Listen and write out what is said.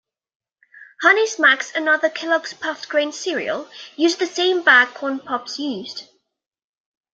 Honey Smacks, another Kellogg's puffed grain cereal, used the same bag Corn Pops used.